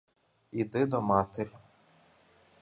Іди до матері.